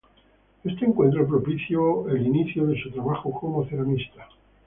Este encuentro propició el inicio de su trabajo como ceramista.